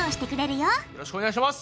よろしくお願いします！